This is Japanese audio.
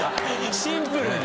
シンプルに。